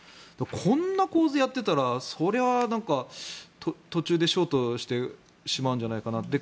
こんな構図でやっていたらそれは途中でショートしてしまうんじゃないかなと。